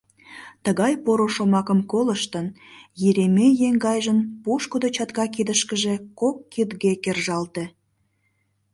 Тыгай поро шомакым колыштын, Еремей еҥгайжын пушкыдо чатка кидышкыже кок кидге кержалте.